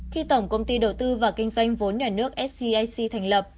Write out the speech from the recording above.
khi tổng công ty đầu tư và kinh doanh vốn nhà nước scac thành lập